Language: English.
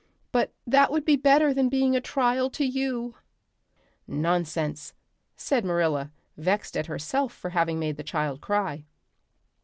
But that would be better than being a trial to you." "Nonsense," said Marilla, vexed at herself for having made the child cry.